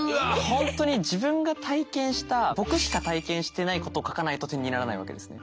本当に自分が体験した僕しか体験してないことを書かないと点にならないわけですね。